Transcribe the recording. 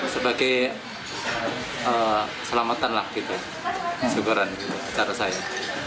sebagai selamatan lah gitu syukuran cara saya